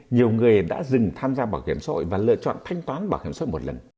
nhiều người đã dừng tham gia bảo hiểm xã hội và lựa chọn thanh toán bảo hiểm xã hội một lần